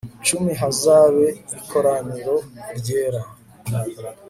cumi hazabe ikoraniro ryera